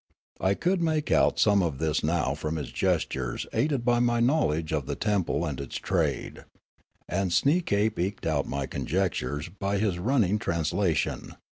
I could make out some of this now from his gestures, aided by my know ledge of the temple and its trade; and Sneekape eked out my conjectures by his running translation.